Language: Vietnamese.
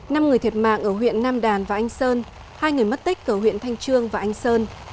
năm người thiệt mạng ở huyện nam đàn và anh sơn hai người mất tích ở huyện thanh trương và anh sơn